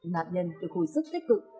nạn nhân được hồi sức thích cực